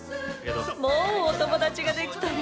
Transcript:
「もうお友達ができたの？」